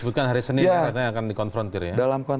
sebutkan hari senin nanti akan dikonfrontir ya